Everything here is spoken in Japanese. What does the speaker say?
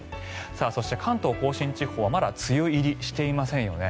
そして関東・甲信地方はまだ梅雨入りしていませんよね。